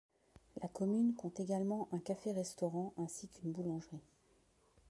La commune compte également un café-restaurant ainsi qu'une boulangerie.